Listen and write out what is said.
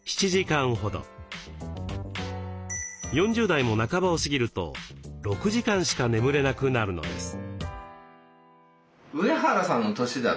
４０代も半ばを過ぎると６時間しか眠れなくなるのです。